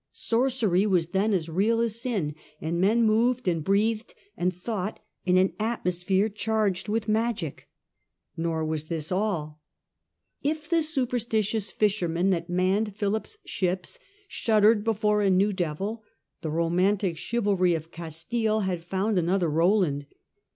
Sorcery was then as real as sin, and men moved and breathed and thought in an atmosphere charged with magic. Nor was this all. If the superstitious fishermen that manned Philip's ships shuddered before a new devil, the romantic chivalry of Castile had found another Eoland.